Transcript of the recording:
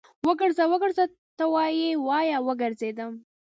وګرځه، وګرځه ته وايې، وايه وګرځېدم